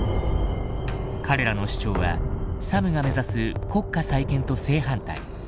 彼らの主張はサムが目指す国家再建と正反対。